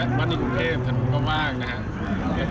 แวะวันนี้บุคเทพฯถนนก็ว่างนะครับ